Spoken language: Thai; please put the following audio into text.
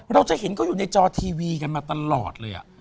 เราจะเห็นเขาอยู่ในจอทีวีกันมาตลอดเลย